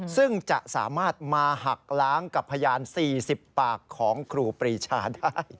ซึ่งจะสามารถมาหักล้างกับพยาน๔๐ปากของครูปรีชาได้